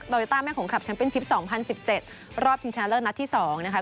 โดยต้าแม่ขงขับแชมป์เป็นชิปสองพันสิบเจ็ดรอบชิงชันเลอร์นัทที่สองนะครับ